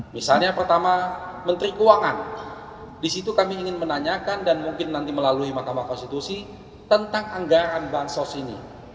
misalnya pertama menteri keuangan disitu kami ingin menanyakan dan mungkin nanti melalui mahkamah konstitusi tentang anggaran bansos ini